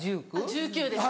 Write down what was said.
１９歳です。